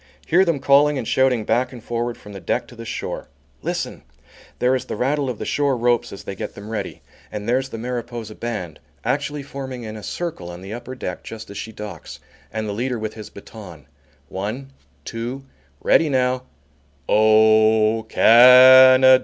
Hear them calling and shouting back and forward from the deck to the shore! Listen! There is the rattle of the shore ropes as they get them ready, and there's the Mariposa band, actually forming in a circle on the upper deck just as she docks, and the leader with his baton, one two ready now, "O CAN A DA!"